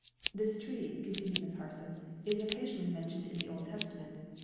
"This tree," continued Miss Harson, "is occasionally mentioned in the Old Testament.